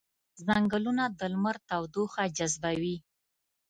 ځنګلونه د لمر تودوخه جذبوي